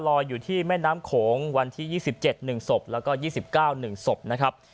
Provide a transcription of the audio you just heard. อยู่ที่แม่น้ำโขงวันที่๒๗๑ศพแล้วก็๒๙๑ศพนะครับ